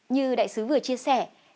như đại sứ vừa chia sẻ